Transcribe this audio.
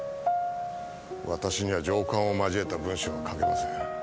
私には情感を交えた文章は書けません。